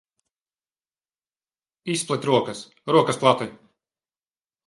Izplet rokas. Rokas plati!